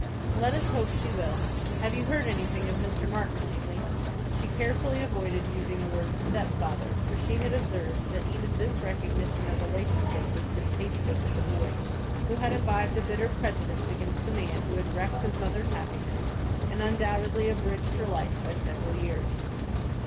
"Let us hope she will. Have you heard anything of Mr. Martin lately?" She carefully avoided using the word "stepfather" for she had observed that even this recognition of relationship was distasteful to the boy, who had imbibed a bitter prejudice against the man who had wrecked his mother's happiness, and undoubtedly abridged her life by several years.